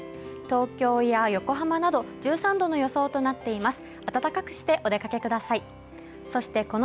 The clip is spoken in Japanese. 東京や横浜など１３度の予想となっています。